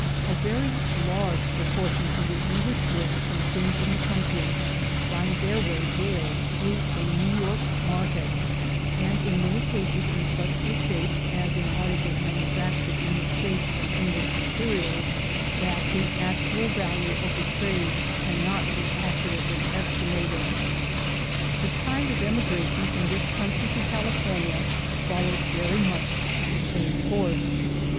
A very large proportion of the English goods consumed in the country find their way there through the New York market, and in many cases in such a shape, as in articles manufactured in the States from English materials, that the actual value of the trade cannot be accurately estimated. The tide of emigration from this country to California follows very much the same course.